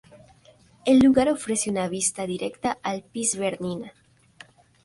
El lugar ofrece una vista directa del Piz Bernina.